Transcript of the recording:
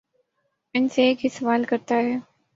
ان سے ایک ہی سوال کرتا ہے